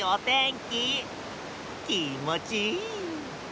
きもちいい。